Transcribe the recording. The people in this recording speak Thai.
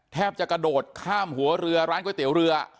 แทบจะกระโดดข้ามหัวเรือร้านก๋วยเตี๋ยวเรือ